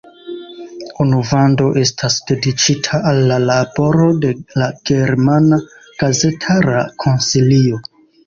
Unu vando estas dediĉita al la laboro de la Germana Gazetara Konsilio.